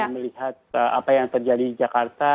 melihat apa yang terjadi di jakarta